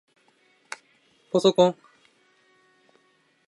ぱそこん